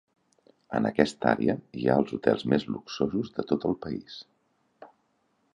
En aquesta àrea hi ha els hotels més luxosos de tot el país.